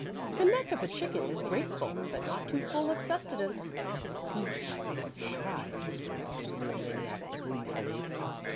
"The neck of a chicken is graceful, but not too full of sustenance." "He fights shy," whispered the Bibliomaniac, gleefully.